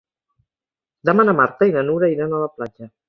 Demà na Marta i na Nura iran a la platja.